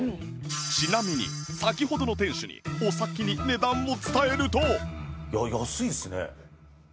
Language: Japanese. ちなみに先ほどの店主にお先に値段を伝えると